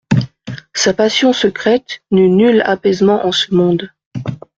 Sa passion secrète n'eut nul apaisement en ce monde.